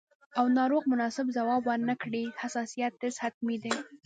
او ناروغ مناسب ځواب ورنکړي، حساسیت ټسټ حتمي دی.